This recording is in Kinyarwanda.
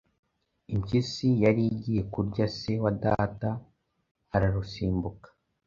Impyisi yari igiye kurya se wa data ararusimbuka.